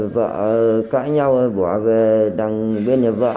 vợ cãi nhau bỏ về đang bên nhà vợ